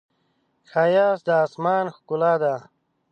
ښایست د آسمان ښکلا ده